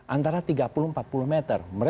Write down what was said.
antara tiga puluh empat puluh meter